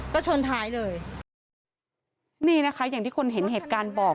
ก็ชนท้ายเลยนี่นะคะอย่างที่คนเห็นเหตุการณ์บอก